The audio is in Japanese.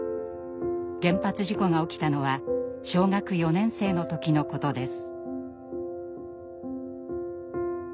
原発事故が起きたのは小学４年生の時のことです。